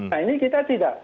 nah ini kita tidak